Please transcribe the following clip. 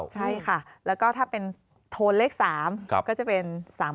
ใช่ค่ะแล้วก็ถ้าเป็นโทนเลข๓ก็จะเป็น๓๘